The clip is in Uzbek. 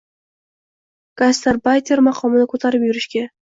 Gastarbayter maqomini ko‘tarib yurishga